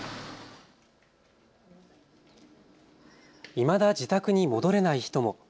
いまだ自宅に戻れない人も。